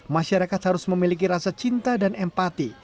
masyarakat harus memiliki rasa cinta dan empati